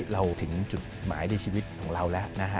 เราถึงจุดหมายในชีวิตของเราแล้วนะฮะ